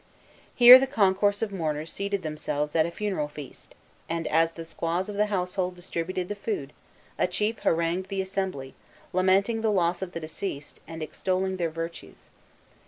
Here the concourse of mourners seated themselves at a funeral feast; and, as the squaws of the household distributed the food, a chief harangued the assembly, lamenting the loss of the deceased, and extolling their virtues.